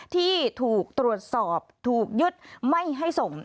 ที่ถูกตรวจสอบถูกยึดไม่ให้ส่ง